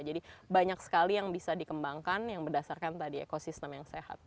jadi banyak sekali yang bisa dikembangkan yang berdasarkan tadi ekosistem yang sehat